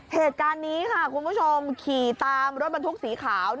เหตุการณ์นี้ค่ะคุณผู้ชมขี่ตามรถบรรทุกสีขาว